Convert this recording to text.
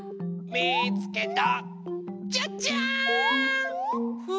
みつけた！